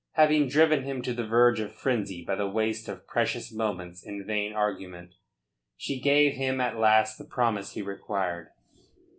Having driven him to the verge of frenzy by the waste of precious moments in vain argument, she gave him at last the promise he required.